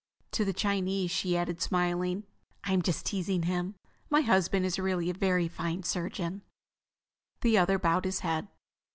To the Chinese she added, smiling: "I'm just teasing him. My husband is really a very fine surgeon." The other bowed his head.